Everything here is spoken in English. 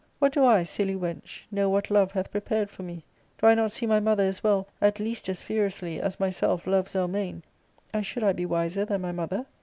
What dQ I, silly wench, know what love hatli prepared for me ? Do I not see my mother as well, at least as furiously, as myself love • Zelmane ; and should I be wiser than my mother